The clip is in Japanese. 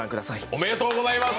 おめでとうございます！